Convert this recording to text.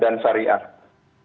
dan kluster pendanaan syariah